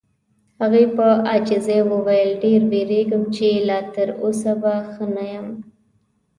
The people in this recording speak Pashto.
هغې په عاجزۍ وویل: ډېر وېریږم چې لا تر اوسه به ښه نه یم.